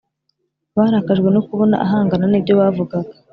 Barakajwe no kubona ahangana n’ibyo bavugaga